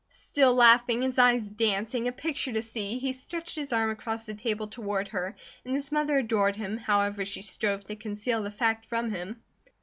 Still laughing, his eyes dancing, a picture to see, he stretched his arm across the table toward her, and his mother adored him, however she strove to conceal the fact from him.